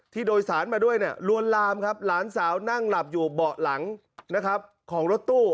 โดยสารมาด้วยเนี่ยลวนลามครับหลานสาวนั่งหลับอยู่เบาะหลังนะครับของรถตู้